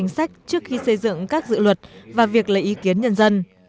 xây dựng các dự luật và việc lấy ý kiến nhân dân